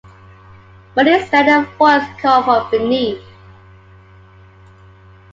But instead a voice called from beneath.